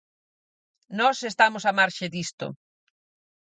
Nós estamos á marxe disto.